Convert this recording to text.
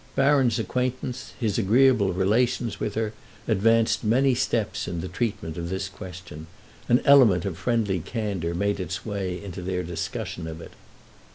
Baron's acquaintance, his agreeable relations with her, advanced many steps in the treatment of this question; an element of friendly candour made its way into their discussion of it.